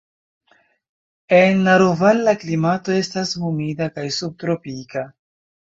En Naroval la klimato estas humida kaj subtropika.